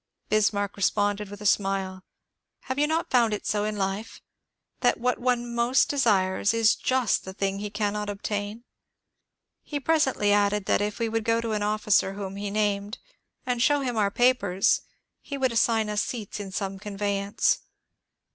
Bismarck responded with a smile, '^ Have you not found it so in life, that what one most desires is just that thing he cannot ob tain ?" He presently added that if we would go to an officer whom he named, and show him our papers, he would assign us seats in some conveyance.